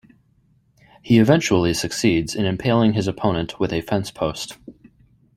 He eventually succeeds in impaling his opponent with a fence post.